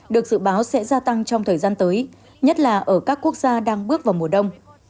được dự báo sẽ gia tăng trong thời gian tới nhất là ở các quốc gia đang bước vào mùa đông